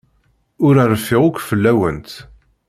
Ur rfiɣ akk fell-awent.